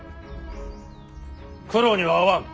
九郎には会わん。